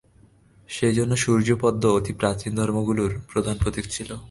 সেইজন্য সূর্য এবং পদ্ম অতি প্রাচীন ধর্মগুলির প্রধান প্রতীক ছিল।